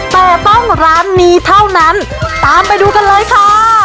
แต่ต้องร้านนี้เท่านั้นตามไปดูกันเลยค่ะ